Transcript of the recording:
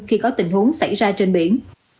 khi có tình huống xảy ra trên biển